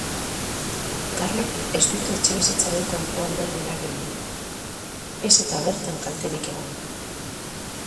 Garrek ez dute etxebizitzaren kanpoaldean eragin, eta ez da bertan kalterik egon.